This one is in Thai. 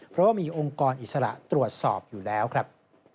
เพราะว่ามีองค์กรอิสระตรวจสอบอยู่แล้วครับ